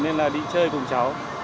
nên là đi chơi cùng cháu